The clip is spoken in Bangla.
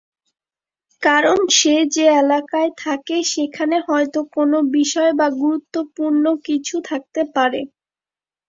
কারণ, সে যে এলাকায় থাকে, সেখানে হয়তো কোনো বিষয় বা গুরুত্বপূর্ণ কিছু থাকতে পারে।